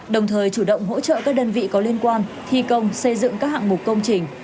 đồng thời chủ động hỗ trợ các đơn vị có liên quan thi công xây dựng các hạng mục công trình